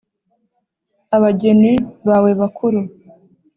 abageni bawe bakuru,